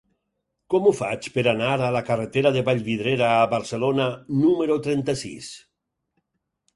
Com ho faig per anar a la carretera de Vallvidrera a Barcelona número trenta-sis?